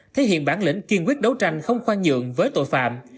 thể hiện bản lĩnh kiên quyết đấu tranh không khoan nhượng với tội phạm